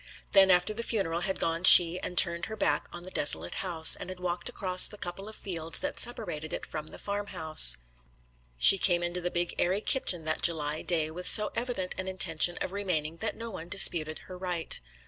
Then after the funeral had gone she had turned her back on the desolate house, and had walked across the couple of fields that separated it from the farmhouse. She came into the big airy kitchen that July day with so evident an intention of remaining that no one disputed her right.